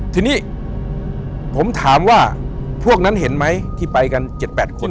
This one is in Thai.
ทีนี้ผมถามว่าพวกนั้นเห็นไหมที่ไปกัน๗๘คน